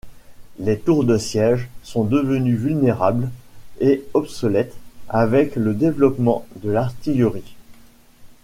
Les tours de siège sont devenues vulnérables et obsolètes avec le développement de l’artillerie.